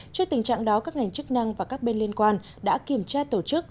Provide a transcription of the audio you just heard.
trước tình trạng đó các ngành chức năng và các bên liên quan đã kiểm tra tổ chức